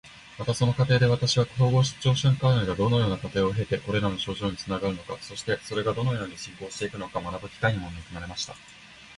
また、その過程で私は、統合失調症患者がどのような過程を経てこれらの症状につながるのか、そしてそれがどのように進行していくのかを学ぶ機会にも恵まれました。